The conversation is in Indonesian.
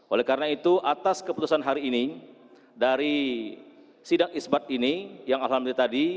oleh karena itu atas keputusan hari ini dari sidang isbat ini yang alhamdulillah tadi